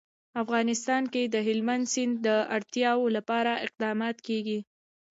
افغانستان کې د هلمند سیند د اړتیاوو لپاره اقدامات کېږي.